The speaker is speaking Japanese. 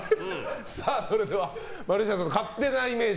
それではマルシアさんの勝手なイメージ。